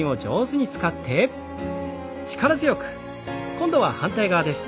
今度は反対側です。